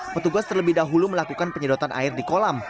petugas terlebih dahulu melakukan penyedotan air di kolam